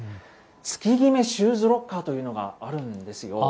月ぎめシューズロッカーというのがあるんですよ。